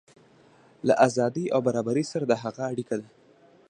له ازادۍ او برابرۍ سره د هغه اړیکه ده.